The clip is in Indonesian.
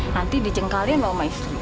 nanti dicengkalin sama istri